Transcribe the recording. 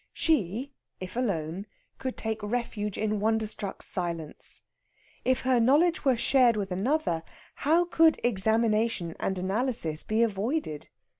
She, if alone, could take refuge in wonder struck silence. If her knowledge were shared with another, how could examination and analysis be avoided?